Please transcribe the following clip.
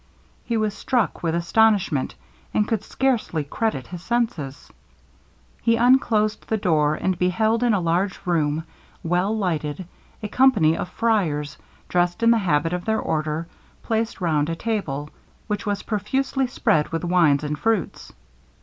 He was struck with astonishment, and could scarcely credit his senses! He unclosed the door, and beheld in a large room, well lighted, a company of friars, dressed in the habit of their order, placed round a table, which was profusely spread with wines and fruits.